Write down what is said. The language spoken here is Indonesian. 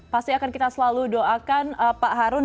pasti akan kita selalu doakan pak harun